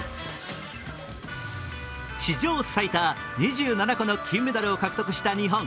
史上最多２７個の金メダルを獲得した日本。